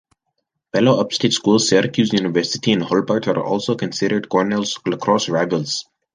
Fellow upstate schools Syracuse University and Hobart are also considered Cornell's lacrosse rivals.